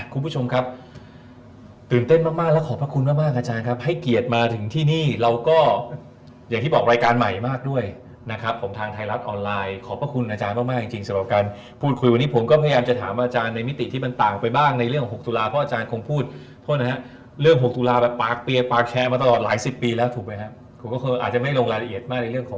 คุณผู้ชมครับตื่นเต้นมากแล้วขอบพระคุณมากอาจารย์ครับให้เกียรติมาถึงที่นี่เราก็อย่างที่บอกรายการใหม่มากด้วยนะครับของทางไทยรัฐออนไลน์ขอบพระคุณอาจารย์มากจริงสำหรับการพูดคุยวันนี้ผมก็กำลังจะถามอาจารย์ในมิติที่มันต่างไปบ้างในเรื่องหกตุลาเพราะอาจารย์คงพูดเรื่องหกตุลาแบบปากเปียก